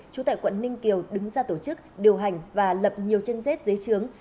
chú tại quận ninh kiều đứng ra tổ chức điều hành và lập nhiều chân rết dưới chướng